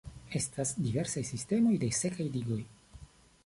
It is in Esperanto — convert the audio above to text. Estas diversaj sistemoj de sekaj digoj.